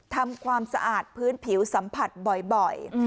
ทำความสะอาดพื้นผิวสัมผัสบ่อย